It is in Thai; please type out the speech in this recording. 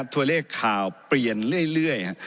ตัวเลขข่าวเปลี่ยนเรื่อย